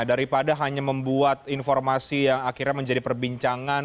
daripada hanya membuat informasi yang akhirnya menjadi perbincangan